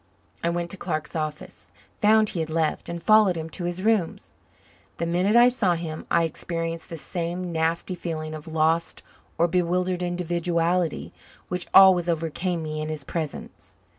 I went to Clark's office, found he had left, and followed him to his rooms. The minute I saw him I experienced the same nasty feeling of lost or bewildered individuality which always overcame me in his presence.